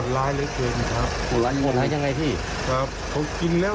แล้วได้ซ้อมไหมทำไมซิบคงครับ